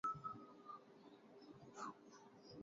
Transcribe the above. بھولیاں دے کم سمولے